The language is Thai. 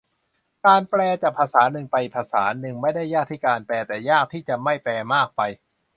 การแปลจากภาษาหนึ่งไปภาษาหนึ่ง ไม่ได้ยากที่การแปล แต่ยากที่จะไม่แปลมากไป